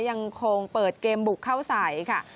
ยังคงเปิดเกมบุกเข้าใส่ค่ะ